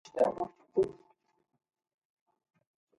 He grew up in Chelsea on the west side of Manhattan.